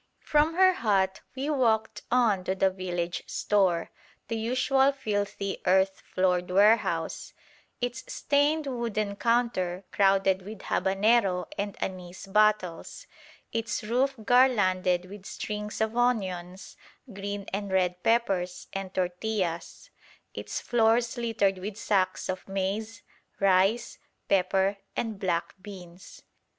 From her hut we walked on to the village store, the usual filthy earth floored warehouse; its stained wooden counter crowded with habanero and anise bottles; its roof garlanded with strings of onions, green and red peppers, and tortillas; its floors littered with sacks of maize, rice, pepper, and black beans.